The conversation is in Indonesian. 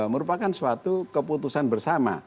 merupakan suatu keputusan bersama